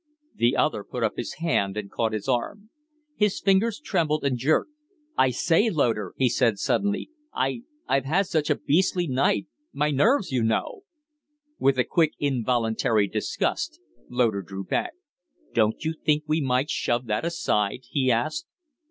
The other put up his hand and caught his arm. His fingers trembled and jerked. "I say, Loder," he said, suddenly, "I I've had such a beastly night my nerves, you know " With a quick, involuntary disgust Loder drew back. "Don't you think we might shove that aside?" he asked.